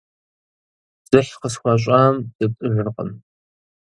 Дзыхь къысхуащӀам сепцӀыжыркъым.